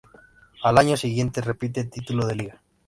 Al año siguiente repite título de Liga.